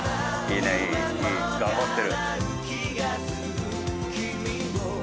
いい。いい。頑張ってる。